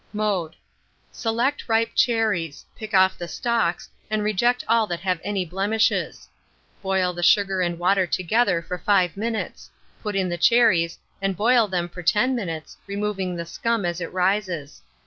Mode. Select ripe cherries; pick off the stalks, and reject all that have any blemishes. Boil the sugar and water together for 5 minutes; put in the cherries, and boil them for 10 minutes, removing the scum as it rises.